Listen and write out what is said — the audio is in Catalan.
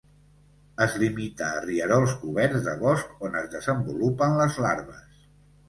Es limita a rierols coberts de bosc, on es desenvolupen les larves.